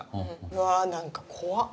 うわ何か怖っ。